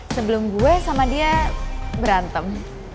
sebelum gue sama dia berantem